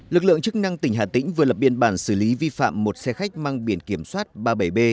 lực lượng chức năng tỉnh hà tĩnh vừa lập biên bản xử lý vi phạm một xe khách mang biển kiểm soát ba mươi bảy b một nghìn năm trăm ba mươi sáu